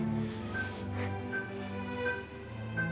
dia sudah berakhir